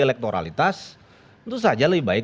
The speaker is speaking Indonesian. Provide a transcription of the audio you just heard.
elektoralitas tentu saja lebih baik